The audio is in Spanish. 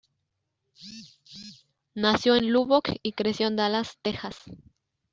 Nació en Lubbock y creció en Dallas, Texas.